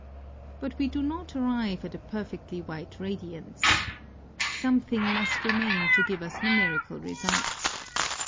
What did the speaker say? V But, we do not arrive at a perfectly white radiance. Something must remain to give us'numerical results.